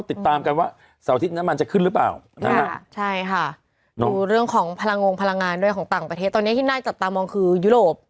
ติดตามกันว่าเสาร์อาทิตย์น้ำมันจะขึ้นหรือเปล่านะฮะใช่ค่ะดูเรื่องของพลังงงพลังงานด้วยของต่างประเทศตอนนี้ที่น่าจับตามองคือยุโรป